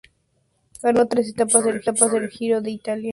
Ganó tres etapas del Giro de Italia.